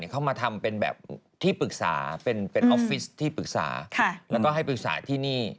เขามาทำเป็นแบบที่ปรึกษาแล้วก็ให้ปรึกษาที่นี่